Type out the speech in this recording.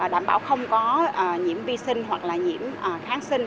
đảm bảo không có nhiễm vi sinh hoặc là nhiễm kháng sinh